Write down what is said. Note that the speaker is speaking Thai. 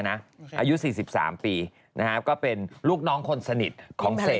อายุ๔๓ปีก็เป็นลูกน้องคนสนิทของเสก